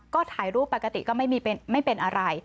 ก็ถ่ายรูปปกติก็ไม่เป็นอะไร